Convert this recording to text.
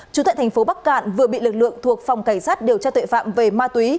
chú tại thành phố bắc cạn vừa bị lực lượng thuộc phòng cảnh sát điều tra tội phạm về ma túy